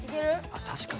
あ確かに。